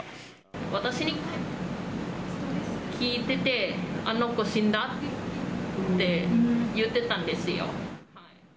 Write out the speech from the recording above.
私に聞いてて、あの子、死んだ？って言ってたんですよ。